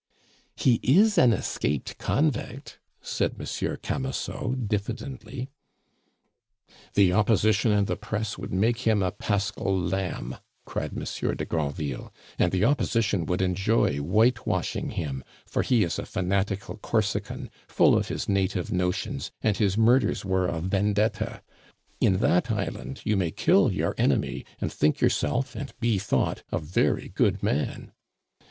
"He is an escaped convict," said Monsieur Camusot, diffidently. "The Opposition and the Press would make him a paschal lamb!" cried Monsieur de Granville; "and the Opposition would enjoy white washing him, for he is a fanatical Corsican, full of his native notions, and his murders were a Vendetta. In that island you may kill your enemy, and think yourself, and be thought, a very good man.